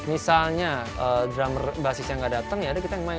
misalnya drummer basis yang nggak datang ya ada kita yang main